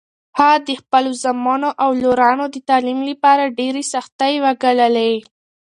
هغه د خپلو زامنو او لورانو د تعلیم لپاره ډېرې سختۍ وګاللې.